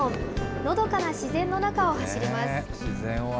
のどかな自然の中を走ります。